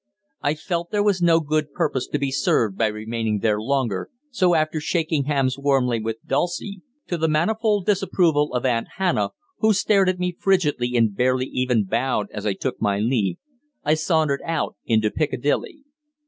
I felt there was no good purpose to be served by remaining there longer, so after shaking hands warmly with Dulcie to the manifold disapproval of Aunt Hannah, who stared at me frigidly and barely even bowed as I took my leave I sauntered out into Piccadilly.